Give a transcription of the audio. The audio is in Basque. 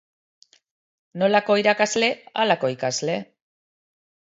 Nolako irakasle, halako ikasle.